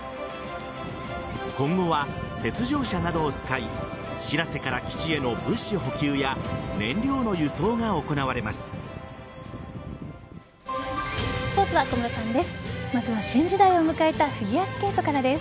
今後は雪上車などを使い「しらせ」から基地への物資補給や燃料の輸送が行われます。